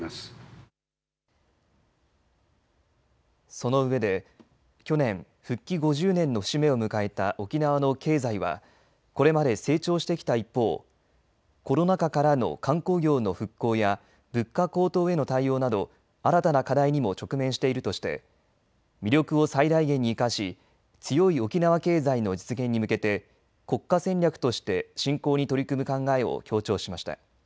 そのうえで去年、復帰５０年の節目を迎えた沖縄の経済はこれまで成長してきた一方、コロナ禍からの観光業の復興や物価高騰への対応など新たな課題にも直面しているとして魅力を最大限に生かし強い沖縄経済の実現に向けて国家戦略として振興に取り組む考えを強調しました。